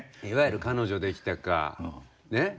いわゆる「彼女できたか」ね？